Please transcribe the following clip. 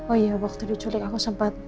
oh iya waktu diculik aku sempat